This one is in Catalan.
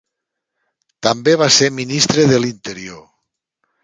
També va ser Ministre de l'Interior.